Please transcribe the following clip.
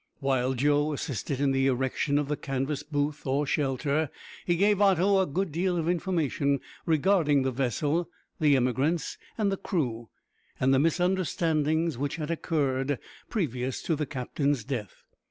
While Joe assisted in the erection of the canvas booth or shelter, he gave Otto a good deal of information regarding the vessel, the emigrants, the crew, and the misunderstandings which had occurred previous to the captain's death.